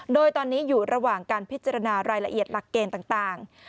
โดยตอนนี้อยู่ระหว่างการพิจารณารายละเอียดหลักเกณฑ์ต่าง